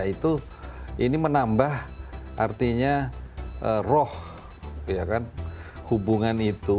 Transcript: itu ini menambah artinya roh ya kan hubungan itu